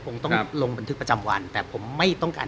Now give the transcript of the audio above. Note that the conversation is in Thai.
คงต้องลงบันทึกประจำวันแต่ผมไม่ต้องการ